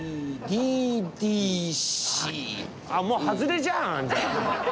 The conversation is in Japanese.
もう外れじゃんじゃあ。